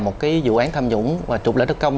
một cái dự án tham nhũng và trục lễ đất công